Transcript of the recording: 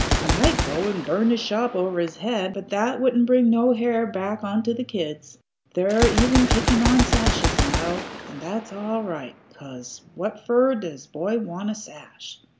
I might go and burn his shop over his head, but that wouldn't bring no hair back onto the kids. They're even kicking on sashes now, and that's all right, 'cause what fer does a boy want a sash?"